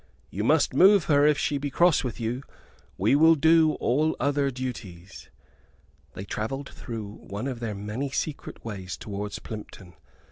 You must move her, if she be cross with you. We will do all other duties." They travelled through one of their many secret ways towards Plympton.